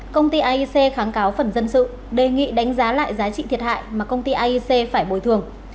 công ty aic kháng cáo phần dân sự đề nghị đánh giá lại giá trị thiệt hại mà công ty aic phải bồi thường